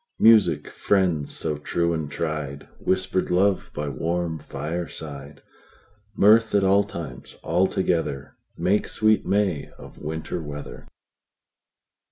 Music, friends so true and tried, Whisper'd love by warm fireside, Mirth at all times all together, Make sweet May of Winter weather.